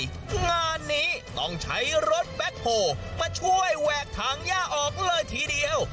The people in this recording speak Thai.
งานนี้ต้องใช้รถแบ็คโฮมาช่วยแหวกถังย่าออกเลยทีเดียว